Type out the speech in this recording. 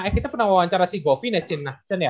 eh kita pernah wawancara si govin ya cin